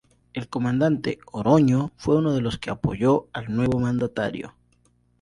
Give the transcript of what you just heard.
El comandante Oroño fue uno de los que apoyó al nuevo mandatario.